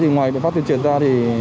ngoài biện pháp tuyển triển ra thì